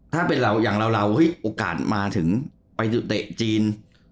ถ้าเป็นเราอย่างเราโอกาสมาถึงไปเตะจีน